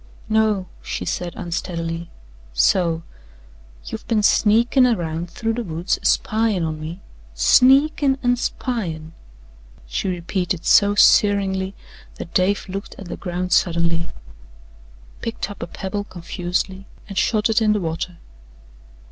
"No," she said unsteadily. "So, you've been sneakin' around through the woods a spyin' on me SNEAKIN' AN' SPYIN'," she repeated so searingly that Dave looked at the ground suddenly, picked up a pebble confusedly and shot it in the water.